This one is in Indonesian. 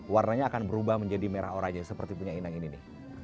warnanya akan berubah menjadi merah oraja seperti punya inang ini nih